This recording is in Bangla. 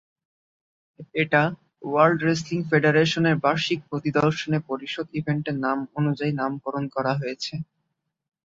এটা ওয়ার্ল্ড রেসলিং ফেডারেশনের বার্ষিক প্রতি-দর্শনে-পরিশোধ ইভেন্টের নাম অনুযায়ী নামকরণ করা হয়েছে।